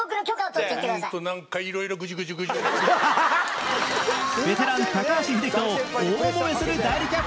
ベテラン高橋英樹と大もめする代理キャプテンは誰！？